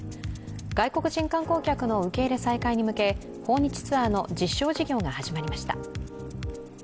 外国人観光客の受け入れ再開に向け、訪日ツアーの実証事業が始まりました。